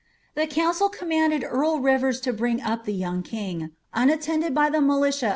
The council commanded eail Rivers to bring up the young king, unat ' Carte. Hall. TOL.